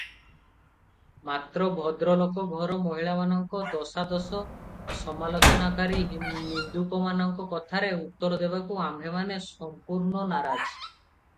ମାତ୍ର ଭଦ୍ରଲୋକ ଘର ମହିଳାମାନଙ୍କ ଦୋଷାଦୋଷ ସମାଲୋଚନାକାରୀ ନିନ୍ଦୁକମାନଙ୍କ କଥାରେ ଉତ୍ତର ଦେବାକୁ ଆମ୍ଭେମାନେ ସଂପୂର୍ଣ୍ଣ ନାରାଜ ।